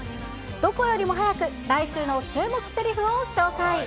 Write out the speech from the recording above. どこよりも早く来週の注目せりふを紹介。